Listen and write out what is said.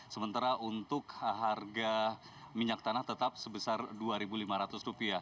sementara untuk harga minyak tanah tetap sebesar rp dua lima ratus